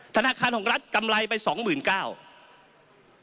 ธนาคารของรัฐกำไรไป๒๙๐๐บาท